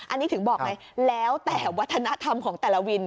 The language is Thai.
อันนี้ถึงบอกไงแล้วแต่วัฒนธรรมของแต่ละวิน